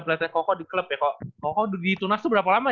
cuaca padaciasnya seperti apa